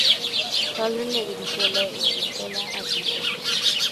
Pablo le dirigió la Epístola a Tito.